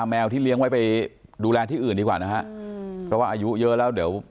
มันสิบอกกันครับ